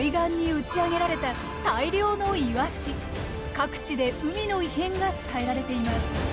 各地で海の異変が伝えられています。